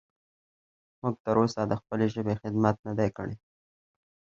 موږ تر اوسه د خپلې ژبې خدمت نه دی کړی.